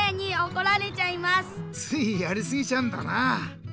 ついやりすぎちゃうんだな。